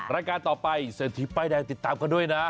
รายการต่อไปเศรษฐีป้ายแดงติดตามกันด้วยนะ